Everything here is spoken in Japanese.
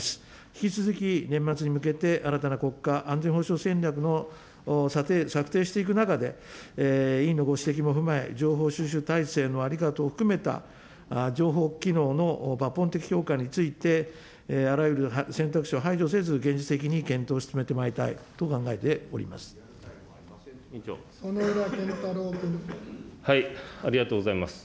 引き続き年末に向けて、新たな国家安全保障戦略を策定していく中で、委員のご指摘も踏まえ、情報収集体制の在り方等含めた、情報機能の抜本的強化について、あらゆる選択肢を排除せず、現実的に検討を進めてまいりたいと考えております。